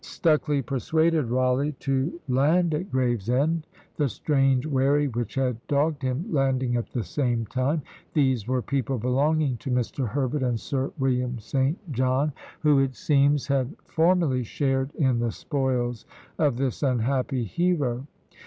Stucley persuaded Rawleigh to land at Gravesend, the strange wherry which had dogged them landing at the same time; these were people belonging to Mr. Herbert and Sir William St. John, who, it seems, had formerly shared in the spoils of this unhappy hero.